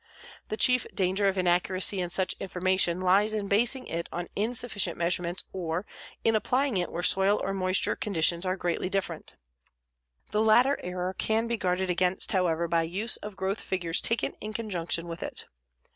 The chief danger of inaccuracy in such information lies in basing it on insufficient measurements or in applying it where soil or moisture conditions are greatly different. The latter error can be guarded against, however, by use of growth figures taken in conjunction with it.